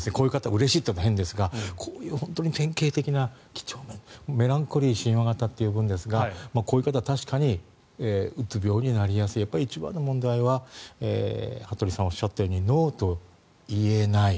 うれしいというと変ですがこういう典型的な几帳面メランコリー親和型というんですがこういう方は確かにうつ病になりやすい一番の問題は羽鳥さんがおっしゃったようにノーと言えない。